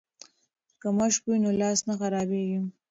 که مشق وي نو لاس نه خرابیږي.